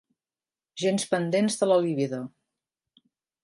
Gens pendents de la libido.